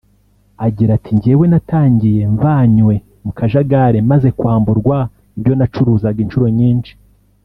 Agira ati “Jyewe natangiye mvanywe mu kajagari maze kwamburwa ibyo nacuruzaga inshuro nyinshi